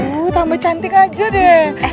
wuh tambah cantik aja deh